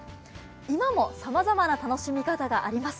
今もさまざまな楽しみ方があります。